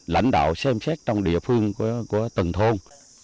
lãnh đạo xem xét trong địa phương của từng thôn